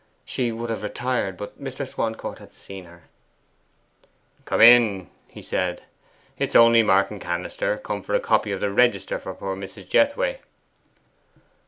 She would have retired, but Mr. Swancourt had seen her. 'Come in,' he said; 'it is only Martin Cannister, come for a copy of the register for poor Mrs. Jethway.